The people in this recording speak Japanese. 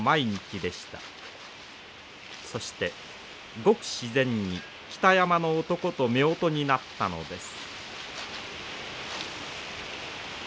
そしてごく自然に北山の男とめおとになったのです。